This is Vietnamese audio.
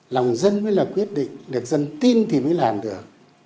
lòng dân mới là quyết định được dân tin thì mới làm được